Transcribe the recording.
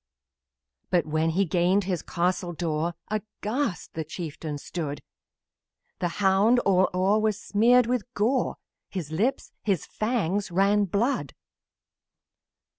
But when he gained the castle door, Aghast the chieftain stood; The hound was smeared with gouts of gore, His lips and fangs ran blood.